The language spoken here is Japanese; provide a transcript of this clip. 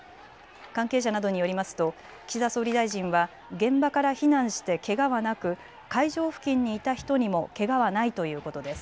関係者などによりますと岸田総理大臣は現場から避難してけがはなく会場付近にいた人にもけがはないということです。